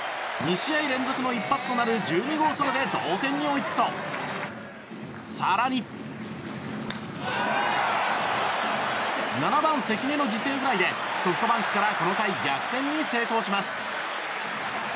２試合連続の一発となる１２号ソロで同点に追いつくと、更に７番、関根の犠牲フライでソフトバンクからこの回、逆転に成功します。